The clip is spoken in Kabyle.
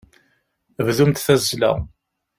Bdumt tazzla.